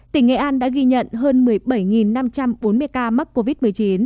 tỉnh nghệ an đã ghi nhận hơn một mươi bảy năm trăm bốn mươi ca mắc covid một mươi chín